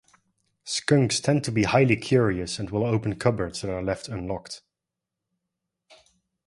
Skunks tend to be highly curious and will open cupboards that are left unlocked.